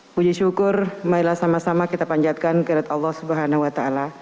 puji syukur mailah sama sama kita panjatkan ke allah swt